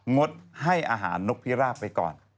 งดให้อาหารนกพิราบไปก่อน